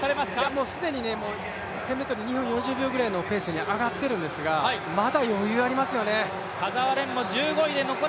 もう既に１０００ｍ２４秒ぐらいのペースに上がっているんですがまだ余裕ありますよね。